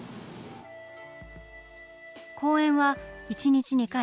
公演は１日２回。